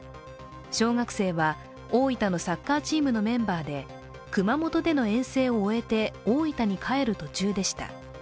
小学生は大分のサッカーチームのメンバーで熊本での遠征を終えて大分に帰る途中でした。